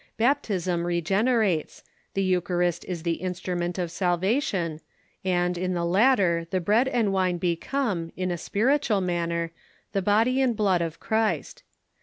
Baptism regenerates, the Eucha rist is the instrument of salvation, and in the latter the bread and wine become, in a spiritual manner, the body and blood of Christ.